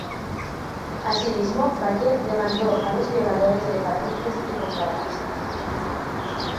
Asimismo Bayer demandó a los violadores de patentes y contrabandistas.